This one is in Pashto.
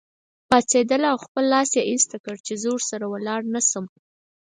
پاڅېدله او خپل لاس یې ایسته کړ چې زه ورسره ولاړ نه شم.